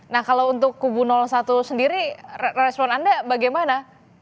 nah kalau untuk kubu satu sendiri respon anda bagaimana